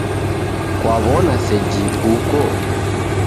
Kwaw'ona seji kuko